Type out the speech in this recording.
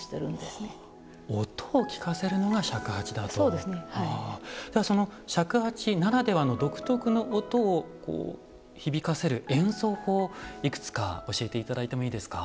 ではその尺八ならではの独特の音を響かせる演奏法をいくつか教えて頂いてもいいですか？